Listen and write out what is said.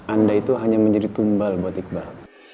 anda itu hanya menjadi tumbal buat iqbal